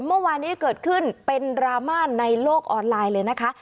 เมื่อวานนี้เกิดขึ้นเป็นดราม่าในโลกออนไลน์เลยนะคะ